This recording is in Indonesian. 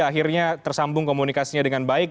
akhirnya tersambung komunikasinya dengan baik